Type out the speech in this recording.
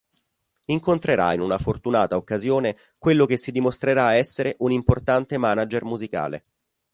Incontrerà in una fortunata occasione quello che si dimostrerà essere un'importante manager musicale.